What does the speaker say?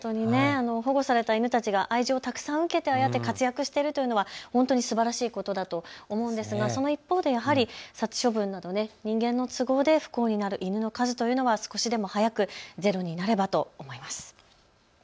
保護された犬たちが愛情をたくさんを受けて活躍しているというのはすばらしいことだと思うんですがその一方でやはり殺処分など人間の都合で不幸になる犬の数というのは少しでも早くゼロになればと思います。